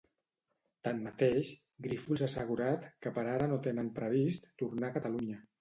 Tanmateix, Grífols ha assegurat que per ara no tenen previst tornar a Catalunya.